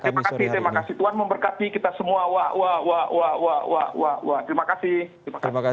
terima kasih tuhan memberkati kita semua